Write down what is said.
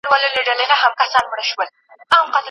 ښوونځې تللې مور د صحي مشورو ارزښت پېژني.